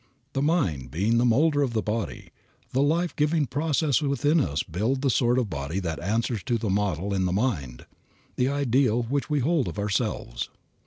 The mind being the molder of the body, the life giving processes within us build the sort of body that answers to the model in the mind, the ideal which we hold of ourselves.